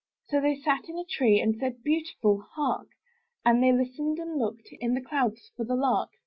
So they sat in a tree. And said, "Beautiful! Hark!" And they listened and looked In the clouds for the lark.